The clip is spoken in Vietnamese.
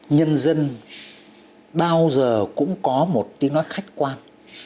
nhân dân bao giờ cũng có một tiếng nói khách quan